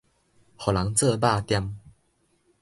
予人做肉砧